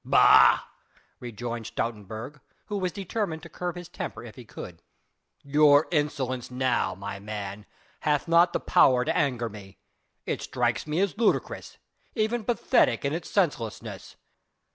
"Bah!" rejoined Stoutenburg, who was determined to curb his temper if he could, "your insolence now, my man, hath not the power to anger me. It strikes me as ludicrous even pathetic in its senselessness.